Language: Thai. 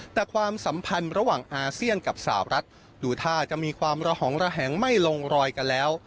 แต่ความสัมพันธ์ระหว่างอาเซียนกับสาวรัฐดูท่าจะมีความระหองระแหงไม่ลงรอยกันแล้ว